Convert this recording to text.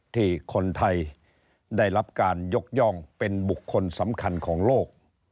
ที่คนไทยได้รับการยกย่องเป็นบุคคลสำคัญของโลก